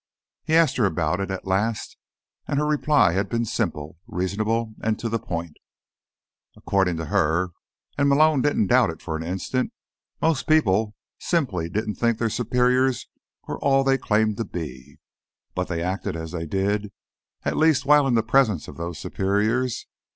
He'd asked her about it at last, and her reply had been simple, reasonable and to the point. According to her—and Malone didn't doubt it for an instant—most people simply didn't think their superiors were all they claimed to be. But they acted as if they did, at least while in the presence of those superiors.